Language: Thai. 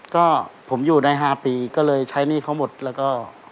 ก็ผมอยู่ได้๕ปีก็เลยใช้หนี้เขาหมดแล้วก็